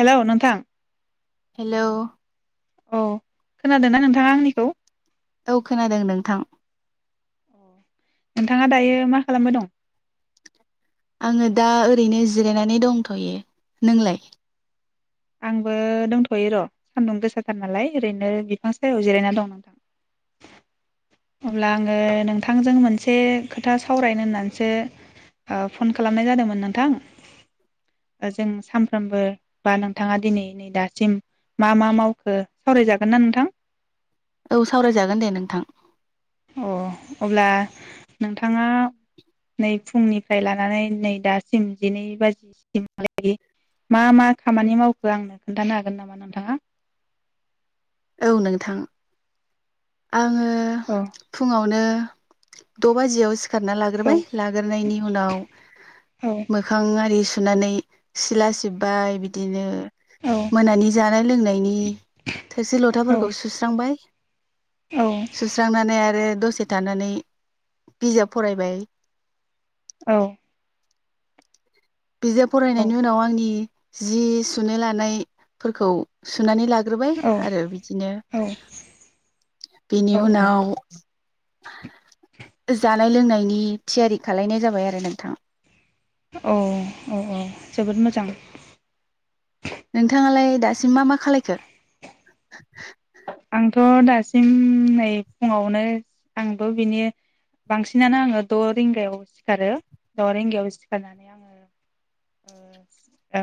Hello नोंथां hello औ खोनादों ना नोंथाङा आंनिखौ? औ खोनादों नोंथां। नोंथाङा दायो मा खालामबाय दं? आङो दा ओरैनो जिरायनानै दंथयो। नोंलाय? आंबो दंथयो र सान्दुं गोसाथार नालाय ओरैनो बिफां सायाव जिरायना दं नोंथां। अब्ला आङो नोंथांजों मोनसे खोथा सावरायनो होननानैसो ओ फन खालामनाय जादोंमोन नोंथां। जों सानफ्रोमबो बा नों थाङा दिनै नै दासिम मा मा मावखो सावरायजागोन ना नोंथां? औ सावरायजागोन दे नोंथां। अ अब्ला नोंथाङा नै फुंनिफ्राय लानानै नै दासिम जिनै बाजिसिमहालागै मा मा खामानि मावखो आंनो खोन्थानो हागोन नामा नोंथाङा? औ नोंथां आङो औ फुङावनो द बाजियाव सि खारना औ लाग्रोबाय लाग्रोनायनि उनाव औ मोखां आरि सुनानै सिला सिब्बाय बिदिनो। औ मोनानि जानाय लोंनायनि थोरसि लथाफोरखौ सुस्रांबाय। औ सुस्रांनानै आरो दसे थानानै बिजाब फरायबाय। औ बिजाब फरायनायनि उनाव आंनि जि सुनो लानायफोरखौ सुनानै लाग ग्रोरोबाय आरो बिदिनो बेनि औ उनाव जानाय लोंनायनि थियारि खालायनाय जाबाय आरो नोंथां। औ औ औ जोबोद मोजां। नोंथाङालाय दासिम मा मा खालायखो? आंथ' दासिम नै फुङावनो आंथ' बिनि बांसिनानो आङो द' रिंगायाव सिखारो द' रिंगायाव सिखारनानै आङो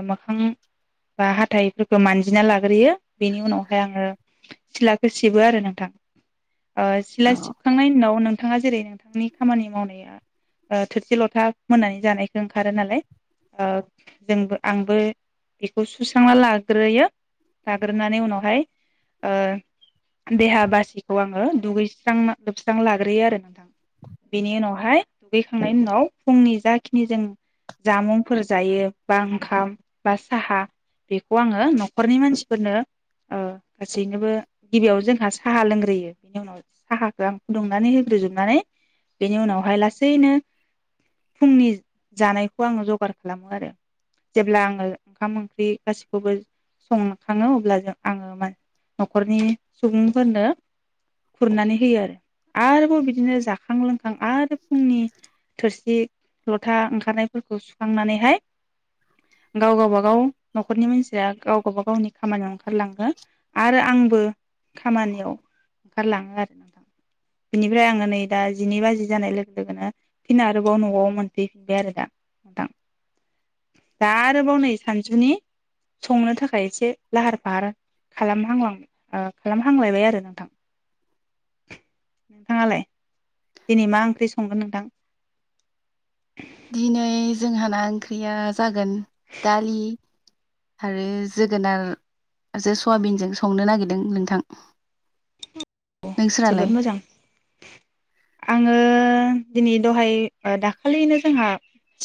मोखां बा हाथाइफोरखौ मानजिना लाग्रोयो बेनि उनावहाय आङो सिथ्लाखौ सिबो आरो नोंथां। ओ सिला औ सिबखांनायनि उनाव नों नोंथाङा जेरै नोंथांनि खामानि मावनाया ओ थोरसि लथा मोनानि जानायखौ ओंखारो नालाय ओ जोंबो आंबो बेखौ सुस्रांना लाग्रोयो लाग्रोनानै उनावहाय ओ देहा बासिखौ आङो दुगैस्रां लोबस्रां लाग्रोयो आरो नोंथां बेनि उनावहाय दुगैखांनायनि उनाव फुंनि जाखिनि जों जामुंफोर जायो बा ओंखाम बा साहा बेखौ आङो न'खरनि मानसिफोरनो ओ गासैनोबो गिबियाव जोंहा साहा लोंग्रोयो बेनि उनाव साहाखौ आं फुदुंनानै होग्रोजोबनानै बेनि उनावहाय लासैनो फुंनि जानायखौ आङो जगार खालामो आरो जेब्ला आङो ओंखाम, ओंख्रि गासैखौबो ओ संखाङो अब्ला जों आङो न'खरनि सुबुंफोरनो खुरनानै होयो आरो आरोबाव बिदिनो जाखां लोंखां आरो फुंनि थोरसि लथा ओंखारनायफोरखौ सुखांनानैहाय गाव गावबागाव न'खरनि मानसिया गाव गावब गावनि खामानियाव ओंखारलाङो। आरो आंबो खामानियाव ओंखारलाङो आरो बिनिफ्राय आङो नै दा जिनै बाजि जानाय लोगो लोगोनो फिन आरोबाव न'आव मोनफैफिनबाय आरो दा नोंथां दा आरोबाव नै सानजुनि संनो थाखाय एसे लाहार-फाहार खालामहांलां ओ खालामहांलायबाय आरो नोंथां। नोंथाङालाय? दिनै मा ओंख्रि संगोन नोंथां? दिनै जोंहा ना ओंख्रिया जागोन दालि आरो जोगोनार जो सयाबिनजों संनो नागिरदों नोंथां। ओ जोबोद नोंसोरालाय मोजां। आं आङो दिनै दहाय दाखालिनो जोंहा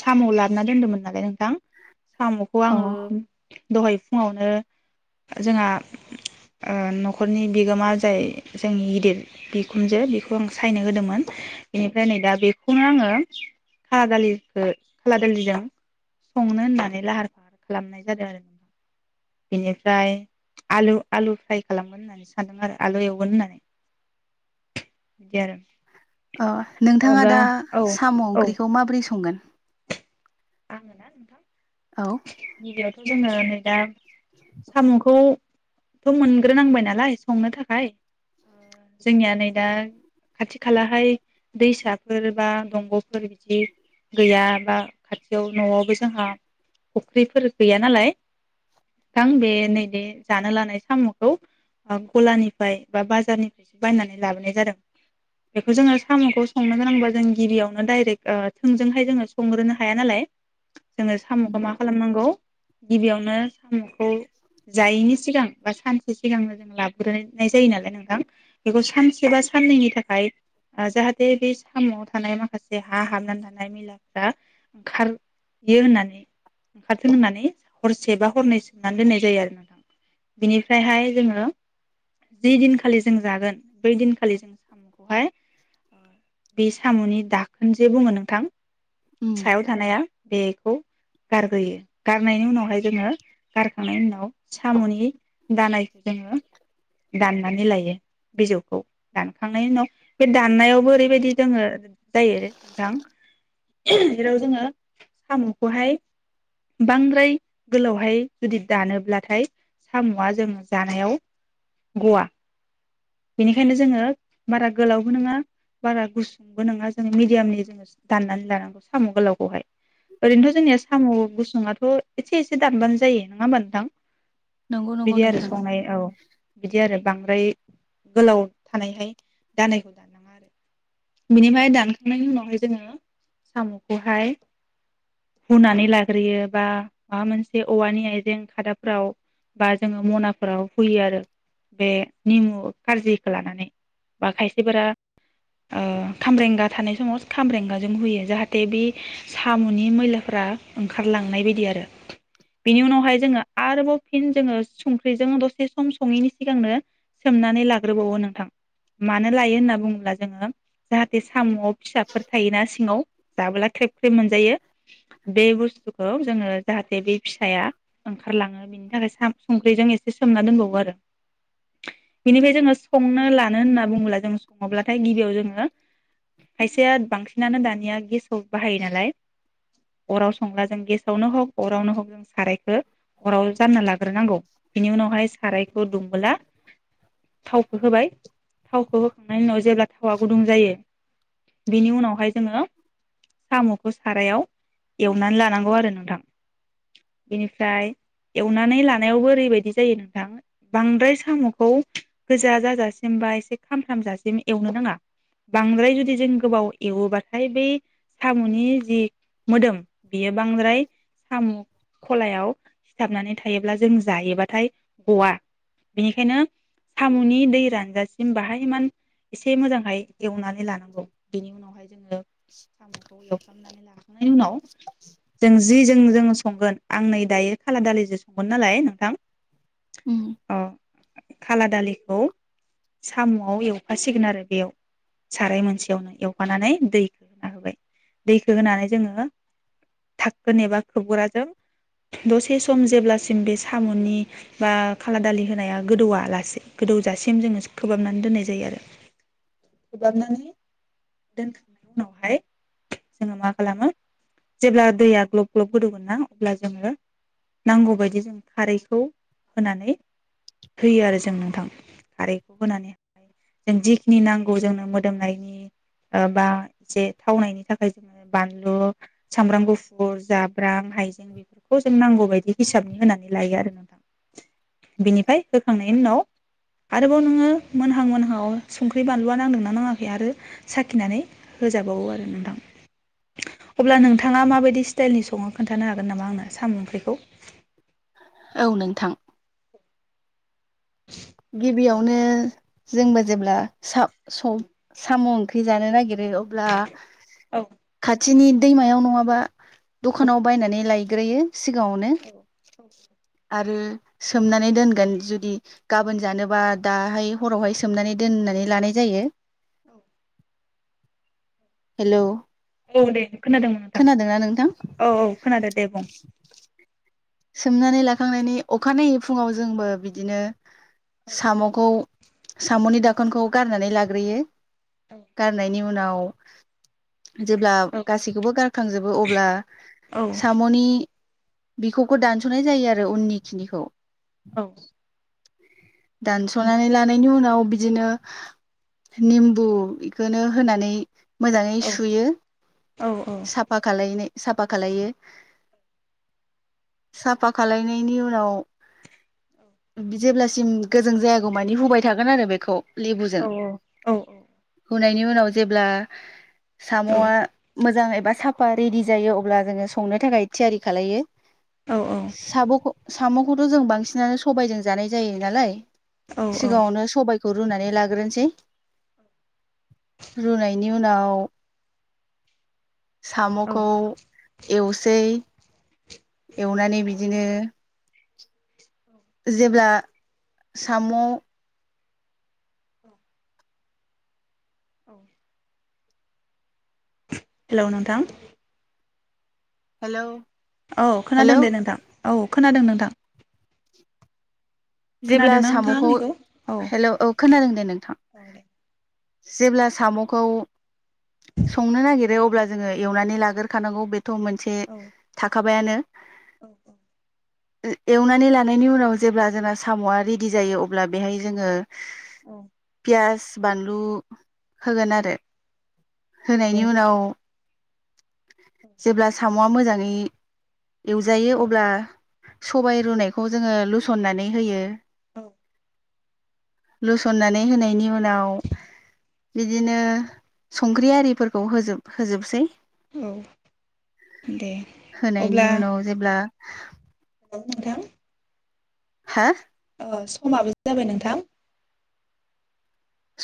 साम' लाबोनना दोनदोंमोन नालाय नोंथां साम'खौ अ आङो दहाय फुङावनो जोंहा न'खरनि ओ बिगोमा जाय जोंनि गिदिर बिखुनजो बेखौ आं सायनो होदोंमोन बेनिफ्राय नै दा बेखौनो आङो खाला दालिखो खाला दालिजों संनो होननानै लाहार फाहार खालामनाय जादों आरोना बेनिफ्राय आलु आलु फ्राय खालामगोन होननानै सान्दों आरो आलुआव संगोन होननानै। बिदि आरो अ नोंथाङा अब्ला दा औ साम' औ ओंख्रिखौ माबोरै संगोन? आङो ना औ गिबियावनो जोङो दा साम'खौ थ' मोनग्रोनांबाय नालाय संनो थाखाय जोंनिया नै दा खाथि खालाहाय दैसाफोर बा दंग'फोर बिदि गैया बा खाथियाव न'आवबो जोंहा फुख्रिफोर गैया नालाय नोंथां बे नैबे जानो लानाय साम'खौ ओं गलानिफ्राय बा बाजारनिफ्रायसो बायनानै लाबोनाय जादों बेखौ जोङो साम'खौ संनो गोनांबा जों गिबियावनो डायरेक्ट थोंजोंहाय जोङो संनो हाया नालाय जोङो साम'खौ मा खालामनांगौ गिबियावनो साम'खौ जायैनि सिगां बा सानसे सिगांनो जों लाब्रोनाय जायो नालाय नोंथां बेखौ सानसे बा साननैनि थाखाय जाहाथे बे साम'आव थानाय माखासे हा हाबनानै थानाय मैलाफ्रा ओंखारो होननानै ओंखारथों होननानै हरसे बा हरनै सोमनानै दोननाय जायो आरो नोंथां बिनिफ्रायहाय जोङो जि दिनखालि जों जागोन बै दिनखालि जों साम'खौहाय बे साम'नि दाखोन जे बुङो नोंथां उम सायाव थानाया बेखौ गारग्रोयो गारनायनि उनावहाय जोङो गारखांनायनि उनाव साम'नि दानायखौ जोङो दाननानै लायो बिजौखौ दानखांनायनि उनाव बे दाननायावबो ओरैबायदि जोङो जायो नोंथां जेराव जोङो साम'खौहाय बांद्राय गोलावहाय जुदि दानोब्लाथाय साम'आ जोङो जानायाव गवा बेनिखायनो जोङो बारा गोलावबो नङा बारा गुसुंबो नङा जोङो मिडियामनि जोङो दाननानै लानांगौ साम' गोलावखौहाय ओरैनोथ' जोंनिया साम' गुसुआथ' एसे एसे दानबानो जायो नङा होमबा नोंथां नंगौ नंगौ बिदि आरो नोंथां संनाय औ बिदि आरो बां ओमफ्राय गोलाव थानायहाय दानायखौ दाननाङा आरो बिनिफ्राय दानखांनायनि उनावहाय जोङो साम'खौहाय हुनानै लाग्रोयो बा माबा मोनसे औवानि आइजें खादाफोराव बा जोङो मनाफोराव हुयो आरो बे निमु खारजिखौ लानानै बा खायसेफोरा खामब्रेंगा थानाय समाव खामब्रेंगाजों होयो जाहाथे बे साम'नि मैलाफ्रा ओंखारलांनाय बादि आरो बेनि उनावहाय जोङो आरोबाव फिन जोङो संख्रिजों दसे सम सङैनि सिगांनो सोमनानै लाग्रोबावो नोंथां मानो लायो होनना बुङोब्ला जोङो जाहाथे साम'आव फिसाफोर थायोना सिङाव जाबोला ख्रेब ख्रेब मोनजायो बे बुस्थुखो खौ जोङो जाहाथे बे फिसाया ओंखारलाङो बेनि थाखाय साम संख्रिजों एसे सोमना दोनबावगोन दो बिनिफ्राय जोङो संनो लानो होनना बुङोब्ला जों सङोब्लाथाय गिबियाव जोङो खायसेया बांसिनानो दानिया गेसाव बाहायो नालाय अराव संब्ला जों गेसावनो हग अरावनो हग जों सारायखौ अराव जानना लाग्रोनांगौ बेनि उनावहाय सारायखौ दुमबोला थावखौ होबाय थावखौ होखांनायनि उनाव जेब्ला थावआ गुदुं जायो बेनि उनावहाय जोङो साम'खौ सारायाव एवनानै लानांगौ आरो नोंथां बेनिफ्राय एवनानै लानायावबो ओरैबायदि जायो नोंथां बांद्राय साम'खौ गोजा जाजासिम बा एसे खामथामजासिम एवनो नाङा बांद्राय जुदि जों गोबाव एवोबाथाय बै साम'नि जि मोदोम बेयो बांद्राय साम' खलायाव सिथाबनानै थायोब्ला जों जायोबाथाय गवा बेनिखायनो साम'नि दै रानजासिम बाहाय मान एसे मोजांहाय एवनानै लानांगौ बेनि उनावहाय साम'खौ एवफ्रामनानै लाखांनायनि उनाव जों जि जों जोङो संगोन आं नै दायो खाला दालिजों संगोन नालाय नोंथां उम अ खाला दालिखौ साम'आव एवफासिगोन आरो बेयाव साराय मोनसेयावनो एवफानानै दैखो होना होबाय दैखो होनानै जोङो थाखोन एबा खोबग्राजों दसे सम जेब्लासिम बे साम'नि बा खाला दालि होनाया गोदौलासे गोदौजासिम जोङो खोबहाबनानै दोननाय जायो आरो खोबहाबनानै दोनखांनायनि उनावहाय जोङो मा खालामो जेब्ला दैया ग्लब ग्लब गोदौगोन ना अब्ला जोङो नांगौबायायदि जों खारैखौ होनानै होयो आरो जों नोंथां खारैखौ होनानै जों जिखिनि नांगौ जोंनो मोदोमनायनि बा एसे थावनायनि थाखाय जोंङो बानलु सामब्राम गुफुर जाब्रां हाइजें बेफोरखौ जों नांगौ बायदि हिसाबनि होनानै लायो आरो नोंथां बिनिफ्राय होखांनायनि उनाव आरोबाव नोङो मोनहां मोनहांव संख्रि बानलु नांदोंना नाङाखै आरो साखिनानै होजाबावो आरो नोंथां अब्ला नोंथाङा माबायदि स्टाइलनि सङो खोन्थानो हागोन नामा आंना साम' ओंख्रिखौ औ नोंथां गिबियावनो जोंबो जेब्ला साव-सौ-साम' ओंख्रि जानो नागिर अब्ला खा औ खाथिनि दैमायाव नङाबा औ दखानाव बायनानै लायो ग्रोयो सिगाङावनो औ आरो सोमनानै दोनगोन जुदि गाबोन जानोबा दाहाय हरावहाय सोमनानै दोननानै लानाय जायो हेलौ औ दे खोनादोंमोन नोंथां खोनादोंना नोंथां औ औ खोनादो दे बुं सोमनानै लाखांनायनि अखानायै फुङाव जोंबो बिदिनो साम'खौ साम'नि दाखोनखौ गारनानै लाग्रोयो। गारनायनि उनाव जेब्ला औ गासैखौबो गारखांजोबो अब्ला औ साम'नि बिखौ खौ दानस'नाय जायो आरो उननि खिनिखौ औ [inaudible] नंगौ दानस'नानै लानायनि उनाव बिदिनो निमबु इखोनो होनानै मोजाङै औ सुयो औ औ साफा खालायनो साफाखालायो साफा खालायनायनि उनाव जेब्लासिम गोजों जायागौ मानि हुबाय थागोन आरो बेखौ औ औ गनायनि उनाव जेब्ला साम'आ मोजाङै साफा रेडि जायो अब्ला जोङो संनो थाखाय थियारि खालायो। साब'खौ साम'खौथ' जों बांसिनानो सबायजों जानाय जायो नालाय। औ सिगाङावनो सबाय खौ रुनानै लाग्रोनोसै रुनायनि उनाव साम'खौ एवसै एवनानै बिदिनो जेब्ला साम' औ हेलौ नोंथां हेलौ औ खोनादों हेलौ दे नोंथां औ खोनादों नोंथां जेब्ला खोनादों ना नोंथाङा साम'खौ आंनिखौ औ हेलौ औ खोनादों दे नोंथां औ दे जेब्ला साम'खौ संनो औ नागिरो अब्ला जोङो। एवनानै लाग्रोखानांगौ बे थ' मोनसे औ थाखा बायानो औ औ एवनानै लानायनि उनाव जेब्ला जोंना साम'आ रेदि जायो अब्ला बेहाय जोङो औ पियास बानलु होगोन आरो होनायनि उनाव जेब्ला साम'आ मोजाङै एवजायो अब्ला सबाय रुनायखौ जोङो लुसननानै होयो औ लुसननानै होनायनि उनाव बिदिनो संख्रि आरिफोरखौ होजोब होजोबसै दे होनायनि अब्ला उनाव जेब्ला हेलौ नोंथां हा अ समाबो जाबाय नोंथां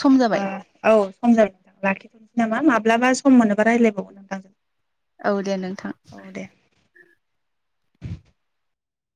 सम जाबाय आ औ सम जाबाय नोंथां लाखिथ'नोसै नामा माब्लाबा सम मोनोबा रायलायबावगोन नोंथांजों औ दे नोंथां औ दे